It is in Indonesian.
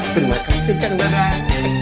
terima kasih kang dadang